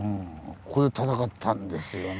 ここで戦ったんですよね。